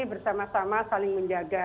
bersama sama saling menjaga